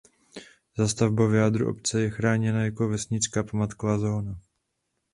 Zástavba v jádru obce je chráněná jako vesnická památková zóna.